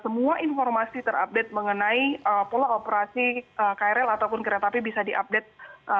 semua informasi terupdate mengenai pola operasi krl ataupun kereta api bisa diupdate